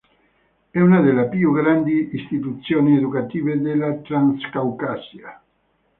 È una delle più grandi istituzioni educative della Transcaucasia.